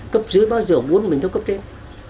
cấp dưới bao giờ muốn mình thôi cấp trên